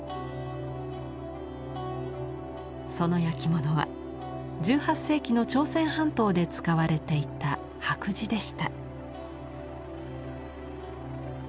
その焼き物は１８世紀の朝鮮半島で使われていた白磁でした。